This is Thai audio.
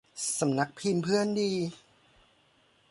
สำนักพิมพ์เพื่อนดี